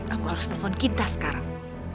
aku harus telepon kinta sekarang